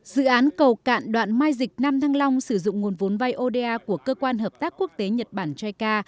dự án cầu cạn đoạn mai dịch nam thăng long sử dụng nguồn vốn vai oda của cơ quan hợp tác quốc tế nhật bản jica